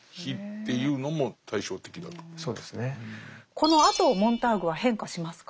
このあとモンターグは変化しますか？